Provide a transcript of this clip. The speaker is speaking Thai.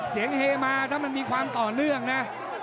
เฮมาถ้ามันมีความต่อเนื่องนะ